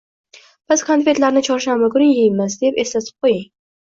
“Biz konfetlarni chorshanba kuni yeymiz”, deb eslatib qo‘ying.